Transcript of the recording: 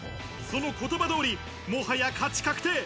その言葉通り、もはや勝ち確定。